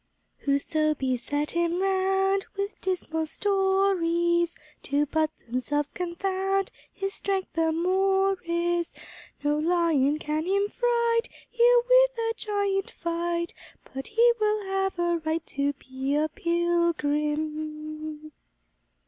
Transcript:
"Whoso beset him round With dismal stories, Do but themselves confound His strength the more is. No lion can him fright; He'll with a giant fight, But he will have a right To be a pilgrim.